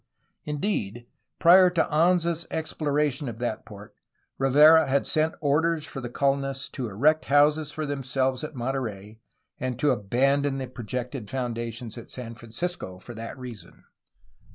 Indeed, prior to Anza's exploration of that port Rivera had sent orders for the colonists to erect houses for themselves at Monterey and to abandon the projected foundations at San Francisco for that season.